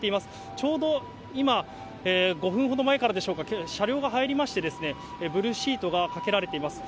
ちょうど今、５分ほど前からでしょうか、車両が入りまして、ブルーシートがかけられています。